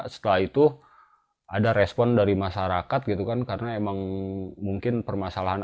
setelah itu ada respon dari masyarakat karena memang mungkin permasalahan